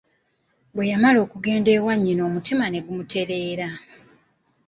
Bwe yamala okugenda ewa nnyina omutima ne gumuterera.